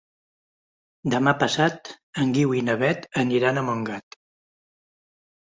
Demà passat en Guiu i na Beth aniran a Montgat.